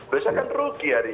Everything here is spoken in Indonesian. biasanya kan rugi hari